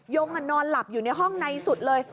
ยงนอนหลับอยู่ในห้องในสุดเลย